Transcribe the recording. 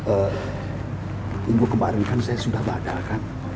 eh minggu kemarin kan saya sudah baca kan